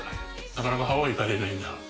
なかなかハワイ行かれないんだ。